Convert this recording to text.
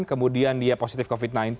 kemudian dia positif covid sembilan belas